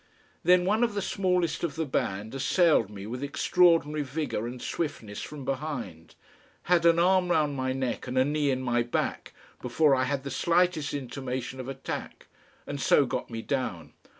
Then one of the smallest of the band assailed me with extraordinary vigour and swiftness from behind, had an arm round my neck and a knee in my back before I had the slightest intimation of attack, and so got me down.